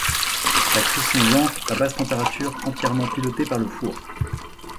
La cuisson lente à basse température entièrement pilotée par le four.